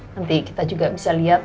nanti kita juga bisa lihat